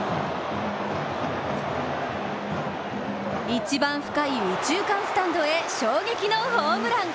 一番深い右中間スタンドへ、衝撃のホームラン。